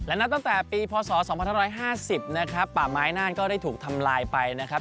นับตั้งแต่ปีพศ๒๕๕๐นะครับป่าไม้น่านก็ได้ถูกทำลายไปนะครับ